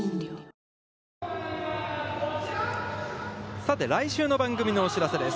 さて来週の番組のお知らせです。